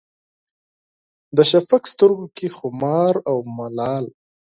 د شفق سترګو کې خمار او ملال